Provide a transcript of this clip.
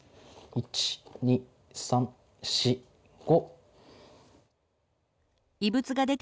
１２３４５。